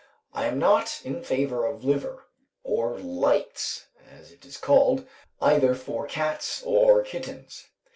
I am not in favour of liver, or "lights," as it is called, either for cats or kittens.